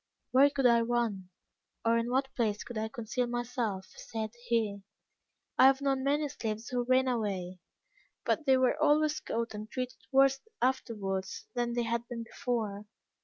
"Where could I run, or in what place could I conceal myself?" said he. "I have known many slaves who ran away, but they were always caught and treated worse afterwards than they had been before.